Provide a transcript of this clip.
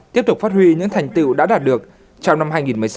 tiếp tục phát huy những thành tựu đã đạt được trong năm hai nghìn một mươi sáu